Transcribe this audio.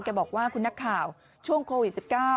บอกว่าคุณนักข่าวช่วงโควิด๑๙